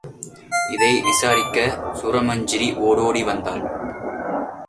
இதை விசாரிக்கச் சுரமஞ்சரி ஓடோடி வந்தாள்.